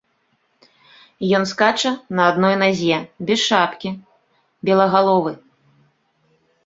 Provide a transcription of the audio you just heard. Ён скача на адной назе, без шапкі, белагаловы.